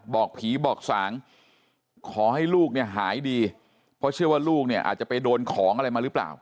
บอกผีบอกสางขอให้ลูกเนี่ยหายดีเพราะเชื่อว่าลูกเนี่ยอาจจะไปโดนของอะไรมาหรือเปล่า